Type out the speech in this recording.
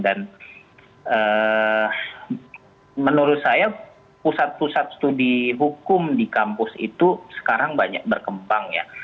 dan menurut saya pusat pusat studi hukum di kampus itu sekarang banyak berkembang ya